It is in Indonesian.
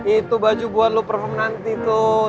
itu baju buat lo perhom nanti tuh